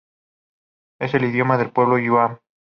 Es el idioma del pueblo Yuan.